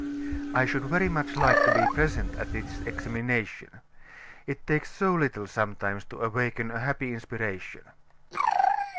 "I should very much like to be present at this examination. It takes so little, sometimes, to awaken a happy inspiration."